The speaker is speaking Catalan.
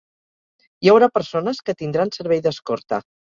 Hi haurà persones que tindran servei d'escorta.